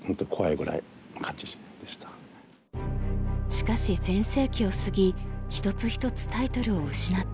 しかし全盛期を過ぎ一つ一つタイトルを失っていく坂田。